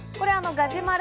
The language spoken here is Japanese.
ガジュマル。